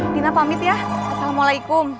tina pamit ya assalamualaikum